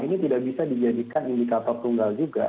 ini tidak bisa dijadikan indikator tunggal juga